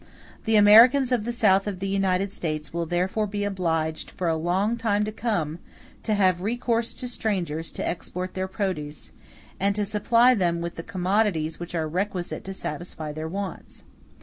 The Americans of the South of the United States will therefore be obliged, for a long time to come, to have recourse to strangers to export their produce, and to supply them with the commodities which are requisite to satisfy their wants.